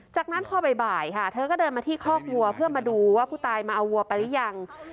จากนั้นพอบ่ายค่ะเธอก็เดินมาที่คอกวัวเพื่อมาดูว่าผู้ตายมาเอาวัวไปหรือยัง